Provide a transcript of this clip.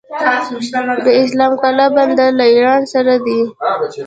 د اسلام قلعه بندر له ایران سره دی